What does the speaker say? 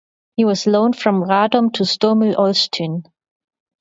He was loaned from Radom to Stomil Olsztyn.